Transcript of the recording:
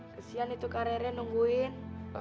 kesian itu kare kare nungguin